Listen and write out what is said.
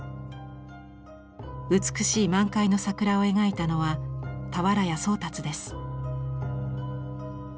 美しい満開の桜を描いたのは俵屋宗達です。